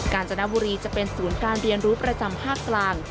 การจนบุรีจะเป็นศูนย์การเรียนรู้ประจำภาคกลาง